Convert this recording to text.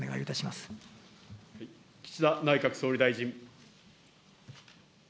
岸田内閣総理大臣。